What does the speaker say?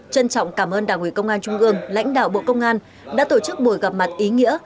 trân trọng cảm ơn đảng ủy công an trung ương lãnh đạo bộ công an đã tổ chức buổi gặp mặt ý nghĩa